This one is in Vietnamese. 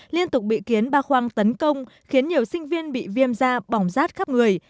liên tục bị kiến ba khoang tấn công khiến nhiều sinh viên bị viêm da bỏng rát khắp người